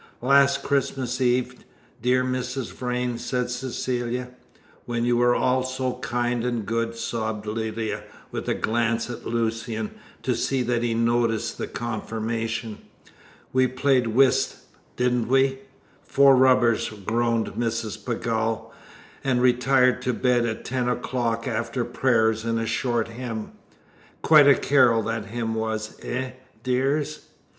"Last Christmas Eve, dear Mrs. Vrain?" said Cecilia. "When you were all so kind and good," sobbed Lydia, with a glance at Lucian, to see that he noticed the confirmation. "We played whist, didn't we?" "Four rubbers," groaned Mrs. Pegall, "and retired to bed at ten o'clock, after prayers and a short hymn. Quite a carol that hymn was, eh, dears?"